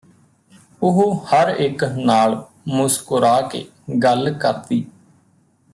ਉਹ ਹਰ ਇਕ ਨਾਲ ਮੁਸਕਰਾ ਕੇ ਗੱਲ ਕਰਦੀ